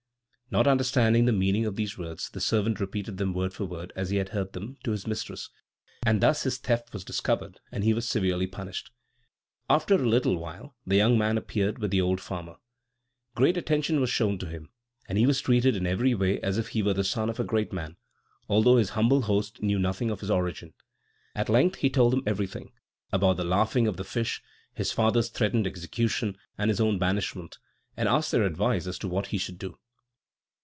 Not understanding the meaning of these words, the servant repeated them word for word, as he had heard them, to his mistress; and thus his theft was discovered, and he was severely punished. After a little while the young man appeared with the old farmer. Great attention was shown to him, and he was treated in every way as if he were the son of a great man, although his humble host knew nothing of his origin. At length he told them everything about the laughing of the fish, his father's threatened execution, and his own banishment and asked their advice as to what he should do.